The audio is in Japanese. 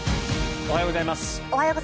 おはようございます。